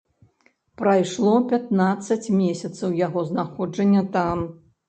Прайшло пятнаццаць месяцаў яго знаходжання там.